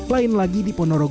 lain lagi di ponorogo jawa timur